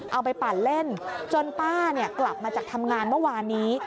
ปั่นเล่นจนป้ากลับมาจากทำงานเมื่อวานนี้